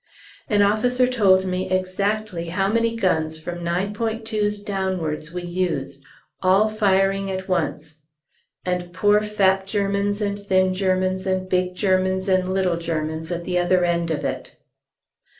An officer told me exactly how many guns from 9.2's downwards we used, all firing at once. And poor fat Germans, and thin Germans, and big Germans, and little Germans at the other end of it.